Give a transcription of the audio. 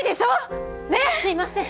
すいません。